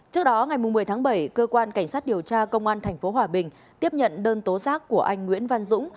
trước đó ngày một mươi tháng bảy cơ quan cảnh sát điều tra công an tp hòa bình tiếp nhận đơn tố giác của anh nguyễn văn dũng